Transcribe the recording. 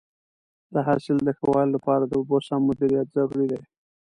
د حاصل د ښه والي لپاره د اوبو سم مدیریت ضروري دی.